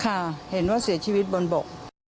ค่ะเห็นว่าเสียชีวิตบนบก